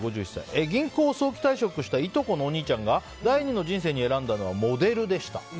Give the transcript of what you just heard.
銀行を早期退職したいとこのお兄ちゃんが第２の人生に選んだのはモデルでした。